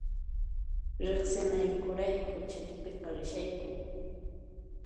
Riqsinayku rayku chakipiqa rishayku